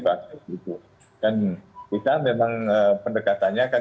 dan itu kan memang pendekatannya kan